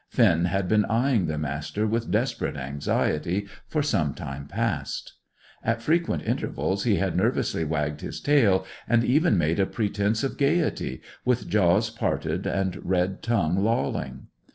Finn had been eyeing the Master with desperate anxiety for some time past. At frequent intervals he had nervously wagged his tail, and even made a pretence of gaiety, with jaws parted, and red tongue lolling.